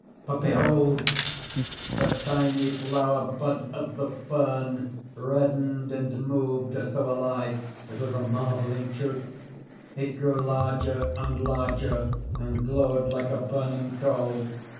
But behold! the tiny flower bud of the fern reddened and moved as though alive. It was a marvel in truth. It grew larger and larger, and glowed like a burning coal.